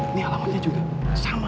ini alamannya juga sama